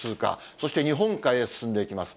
そして日本海へ進んでいきます。